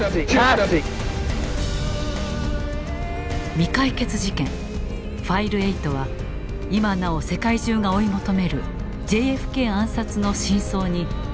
「未解決事件Ｆｉｌｅ．８」は今なお世界中が追い求めるＪＦＫ暗殺の真相に迫っていく。